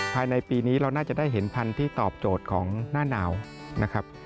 ภายในปีนี้เราน่าจะได้เห็นพันธุ์ที่ตอบโจทย์ของหน้าหนาวนะครับ